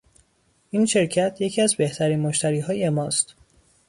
این شرکت یکی از بهترین مشتریهای ماست.